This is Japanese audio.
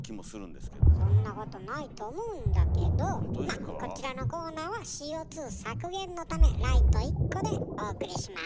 まあこちらのコーナーはＣＯ削減のためライト１個でお送りします。